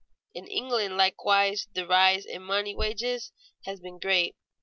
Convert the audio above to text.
In England likewise the rise in money wages has been great.